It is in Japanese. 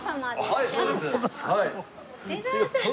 すみません。